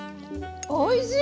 おいしい！